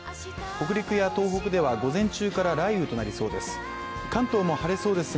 北陸や東北では午前中から雷雨となりそうです。